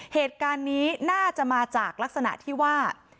เหตุการณ์นี้น่าจะมาจากลักษณะที่ว่า